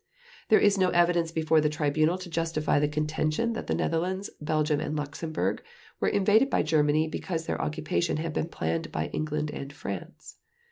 There is no evidence before the Tribunal to justify the contention that the Netherlands, Belgium, and Luxembourg were invaded by Germany because their occupation had been planned by England and France.